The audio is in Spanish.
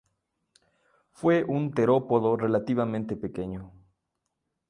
Fue un terópodo relativamente pequeño.